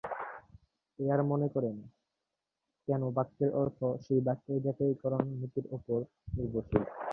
Air মনে করেন, কোনো বাক্যের অর্থ সেই বাক্যের যাচাইকরণ নীতির উপর নির্ভরশীল।